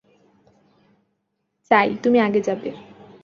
চাই, তুমি আগে যাবে।